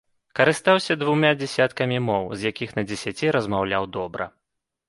Карыстаўся двума дзясяткамі моў, з якіх на дзесяці размаўляў добра.